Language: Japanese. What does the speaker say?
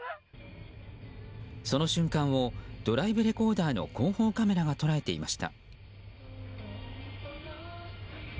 その瞬間をドライブレコーダーの後方カメラが捉えていました。